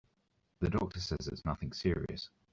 The doctor says it's nothing serious.